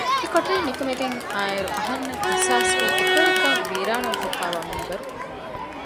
އެކޮޓަރިން ނިކުމެގެން އާއިރު އަހަންނަށް އިޙްޞާސްވީ އެކުވެރިކަން ވީރާނާވެފައިވާ މިންވަރު